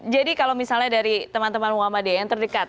jadi kalau misalnya dari teman teman muhammadiyah yang terdekat